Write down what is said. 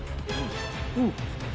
うん！